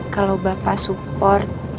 kalau bapak support